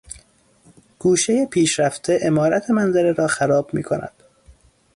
گوشهٔ پیشرفته عمارت منظره را خراب میکند.